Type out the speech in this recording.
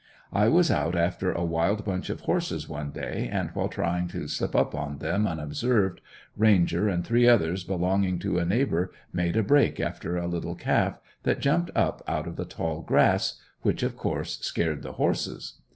I was out after a wild bunch of horses one day and while trying to slip up on them unobserved Ranger and three others belonging to a neighbor made a break after a little calf that jumped up out of the tall grass, which of course scared the horses.